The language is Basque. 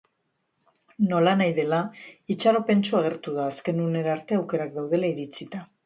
Nolanahi dela, itxaropentsu agertu da, azken unera arte aukerak daudela iritzita.